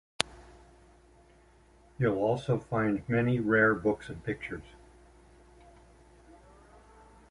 You'll also find many rare books and pictures.